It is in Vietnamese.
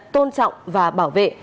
tôn trọng và bảo vệ